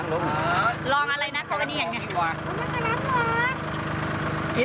ลองอะไรนะพวกนี้อย่างนี้